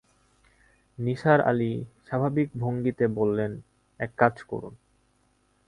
নিসার আলি স্বাভাবিক ভঙ্গিতে বললেন, এক কাজ করুন।